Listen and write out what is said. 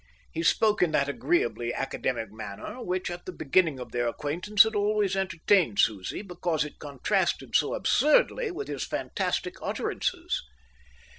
He spoke in that agreeably academic manner which, at the beginning of their acquaintance, had always entertained Susie, because it contrasted so absurdly with his fantastic utterances.